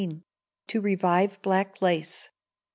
2319. To Revive Black Lace.